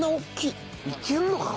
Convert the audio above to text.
いけるのか？